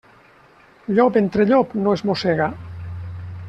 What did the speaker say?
Llop entre llop no es mossega.